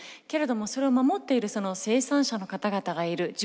けれどもそれを守っているその生産者の方々がいる。